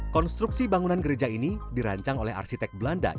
konstruksi bangunan gereja ini dirancang oleh arsitek belanda